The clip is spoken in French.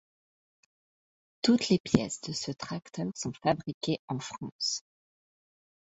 Toutes les pièces de ce tracteur sont fabriquées en France.